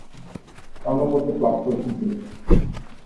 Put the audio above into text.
স্বর্ণপদক লাভ করেন তিনি।